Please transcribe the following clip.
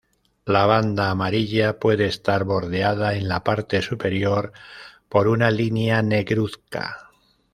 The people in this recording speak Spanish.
La banda amarilla puede estar bordeada en la parte superior por una línea negruzca.